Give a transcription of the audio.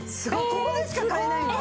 ここでしか買えないの？